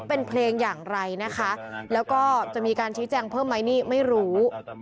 เป็นเพลงอย่างไรนะคะแล้วก็จะมีการชี้แจงเพิ่มไหมนี่ไม่รู้